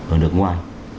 ở nước ngoài